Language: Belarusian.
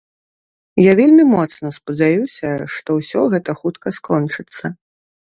Я вельмі моцна спадзяюся, што ўсё гэта хутка скончыцца.